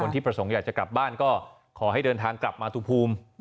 ที่ประสงค์อยากจะกลับบ้านก็ขอให้เดินทางกลับมาทุภูมิ